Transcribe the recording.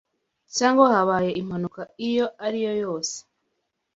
cyangwa habaye impanuka iyo ariyo yose